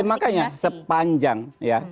makanya sepanjang ya